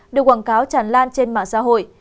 được quảng cáo tràn lan trên mạng xã hội